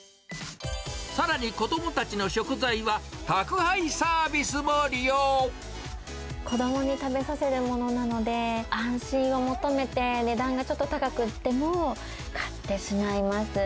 さらに子どもたちの食材は、子どもに食べさせるものなので、安心を求めて、値段がちょっと高くっても、買ってしまいます。